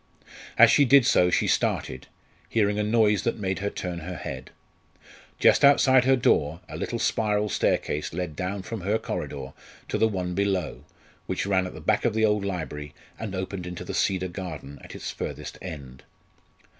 As she did so, she started, hearing a noise that made her turn her head. Just outside her door a little spiral staircase led down from her corridor to the one below, which ran at the back of the old library, and opened into the Cedar Garden at its further end.